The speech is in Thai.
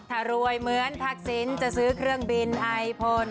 ถ้ารวยเหมือนทักษิณจะซื้อเครื่องบินไอพล